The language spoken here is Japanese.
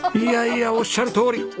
いやいやおっしゃるとおり！